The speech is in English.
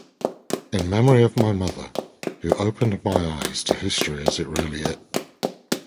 In memory of my mother...who opened my eyes to history as it really i.